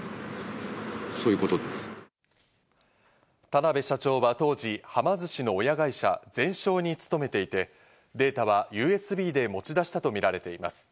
田辺社長は当時、はま寿司の親会社ゼンショーに勤めていて、データはＵＳＢで持ち出したとみられています。